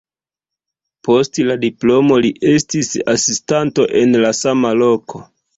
Post la diplomo li estis asistanto en la sama loko.